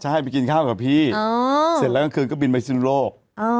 ใช่ไปกินข้าวกับพี่เสร็จแล้วกลางคืนก็บินไปสุนโลก